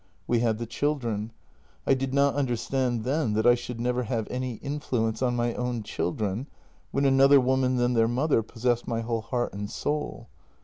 "We had the children. I did not understand then that I should never have any influence on my own children, when another woman than their mother possessed my whole heart and soul.